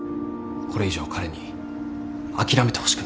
これ以上彼に諦めてほしくないんです。